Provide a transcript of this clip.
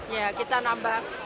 ya kita nambah